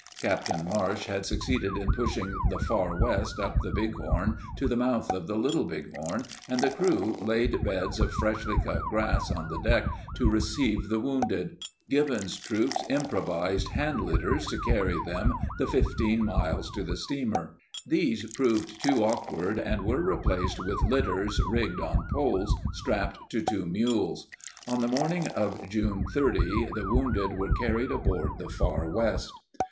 Captain Marsh had succeeded in pushing the Far West up the Bighorn to the mouth of the Little Bighorn, and the crew laid beds of freshly cut grass on the deck to receive the wounded. Gibbon's troops improvised hand litters to carry them the 15 miles to the steamer. These proved too awkward and were replaced with litters rigged on poles strapped to two mules. On the morning of June 30 the wounded were carried aboard the Far West.